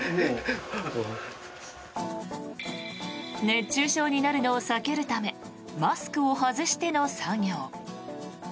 熱中症になるのを避けるためマスクを外しての作業。